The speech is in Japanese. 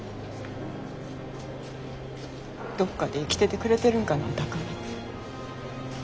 どっかで生きててくれてるんかな巧海。